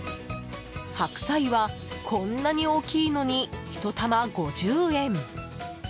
白菜は、こんなに大きいのに１玉５０円！